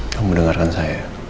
kamu dengarkan saya